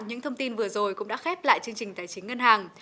những thông tin vừa rồi cũng đã khép lại chương trình tài chính ngân hàng